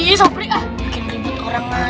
bikin ribet orang aja nih